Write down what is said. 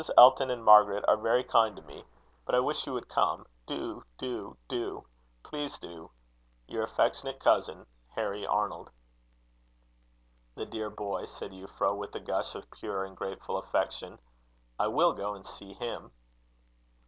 Elton and Margaret are very kind to me. But I wish you would come. Do, do, do. Please do. "Your affectionate cousin, "HARRY ARNOLD." "The dear boy!" said Euphra, with a gush of pure and grateful affection; "I will go and see him."